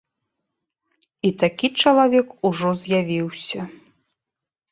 І такі чалавек ужо з'явіўся.